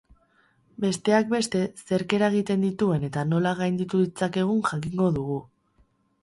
Besteak beste, zerk eragiten dituen eta nola gainditu ditzakegun jakingo dugu.